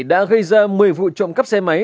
đã gây ra một mươi vụ trộm cắp xe máy